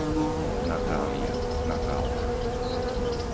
Natália, Natálka